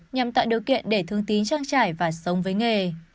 nhằm tạo điều kiện để thương tín trang trải và sống với nghề